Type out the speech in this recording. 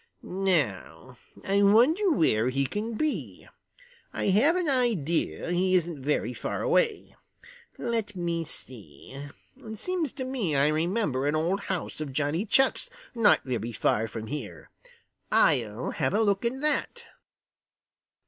Now, I wonder where he can be. I have an idea he isn't very far away. Let me see. Seems to me I remember an old house of Johnny Chuck's not very far from here. I'll have a look in that."